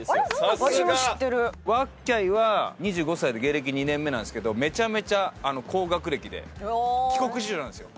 わっきゃいは２５歳で芸歴２年目なんですけどめちゃめちゃ高学歴で帰国子女なんですよ。